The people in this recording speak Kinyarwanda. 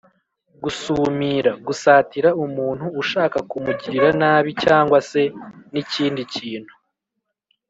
gusumira: gusatira umuntu ushaka kumugirira nabi cyangwa se n’ikindi kintu